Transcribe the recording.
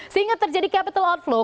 sehingga terjadi capital outflow